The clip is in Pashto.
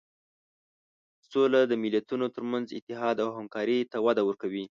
سوله د ملتونو تر منځ اتحاد او همکاري ته وده ورکوي.